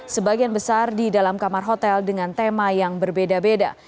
sebagian besar di dalam kamar hotel dengan tema yang berbeda beda